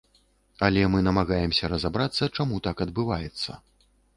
Але мы намагаемся разабрацца, чаму так адбываецца.